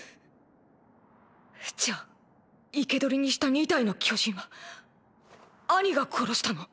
じゃあ生け捕りにした２体の巨人はアニが殺したの？